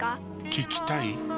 聞きたい？